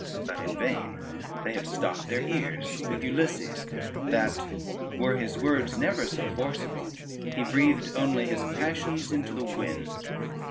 But in vain, they had stopped their ears with Ulysses, that were his words never so forceable, he breathed only his passions into the wind.